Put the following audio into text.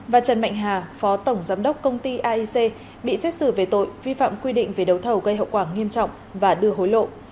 và trần mạnh hà phó tổng giám đốc công ty aic bị xét xử về tội vi phạm quy định về đấu thầu gây hậu quả nghiêm trọng và đưa hối lộ